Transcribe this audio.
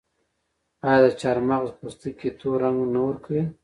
آیا د چارمغز پوستکي تور رنګ نه ورکوي؟